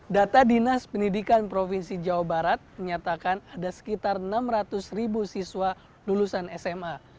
data dinas pendidikan provinsi jawa barat menyatakan ada sekitar enam ratus ribu siswa lulusan sma